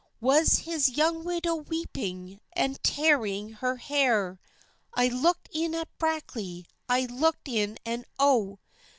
Was his young widow weeping An' tearing her hair?" "I looked in at Brackley, I looked in, and oh!